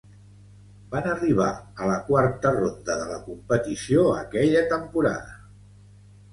Van arribar a la quarta ronda de la competició aquella temporada.